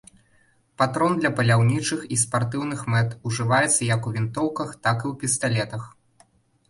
Патрон для паляўнічых і спартыўных мэт, ужываецца як у вінтоўках, так і ў пісталетах.